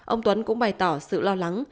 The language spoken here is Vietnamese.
ông tuấn cũng bày tỏ sự lo lắng